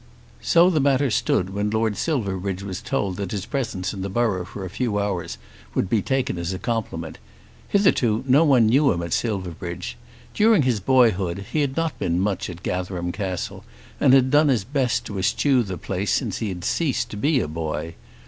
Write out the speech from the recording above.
So the matter stood when Lord Silverbridge was told that his presence in the borough for a few hours would be taken as a compliment. Hitherto no one knew him at Silverbridge. During his boyhood he had not been much at Gatherum Castle, and had done his best to eschew the place since he had ceased to be a boy.